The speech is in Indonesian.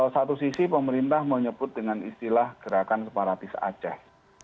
satu sisi pemerintah menyebut dengan istilah gerakan separatis aceh